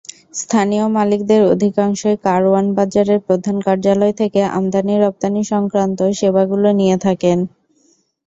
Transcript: স্থানীয় মালিকদের অধিকাংশই কারওয়ান বাজারের প্রধান কার্যালয় থেকে আমদানি-রপ্তানিসংক্রান্ত সেবাগুলো নিয়ে থাকেন।